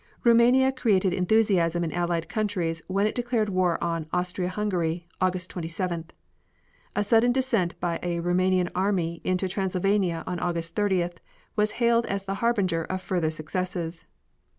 Roumania created enthusiasm in Allied countries when it declared war on Austria Hungary August 27th. A sudden descent by a Roumanian army into Transylvania on August 30th was hailed as the harbinger of further successes.